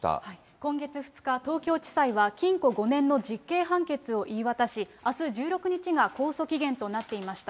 今月２日、東京地裁は禁錮５年の実刑判決を言い渡し、あす１６日が控訴期限となっていました。